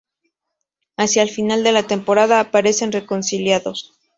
Hacia el final de la temporada, aparecen reconciliados.